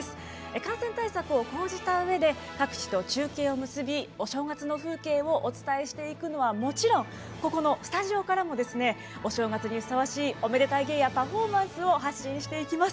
感染対策を講じたうえで各地と中継を結びお正月の風景をお伝えしていくのはもちろんここのスタジオからもお正月にふさわしいおめでたい芸やパフォーマンスを発信していきます。